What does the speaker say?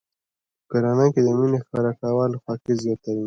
په کورنۍ کې د مینې ښکاره کول خوښي زیاتوي.